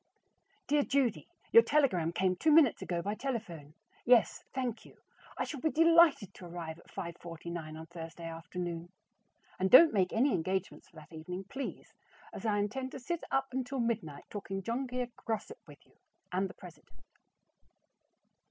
Dear Judy: Your telegram came two minutes ago by telephone. Yes, thank you, I shall be delighted to arrive at 5:49 on Thursday afternoon. And don't make any engagements for that evening, please, as I intend to sit up until midnight talking John Grier gossip with you and the president.